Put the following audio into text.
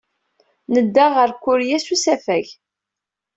Nedda ɣer Kurya s usafag.